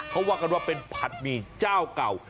เขาว่ากันว่าเป็นผัดหมี่เจ้าเก่า